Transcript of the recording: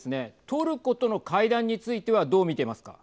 トルコとの会談についてはどう見ていますか。